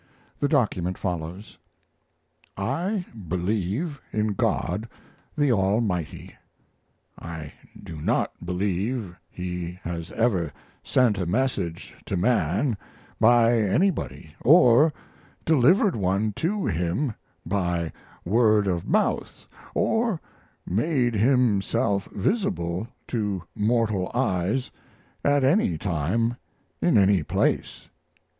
The document follows: I believe in God the Almighty. I do not believe He has ever sent a message to man by anybody, or delivered one to him by word of mouth, or made Himself visible to mortal eyes at any time in any place.